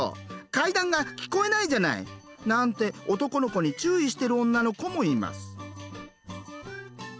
怪談が聞こえないじゃない！」なんて男の子に注意してる女の子もいます。